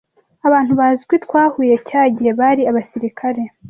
Abantu bazwi twahuye cya gihe bari abasirikare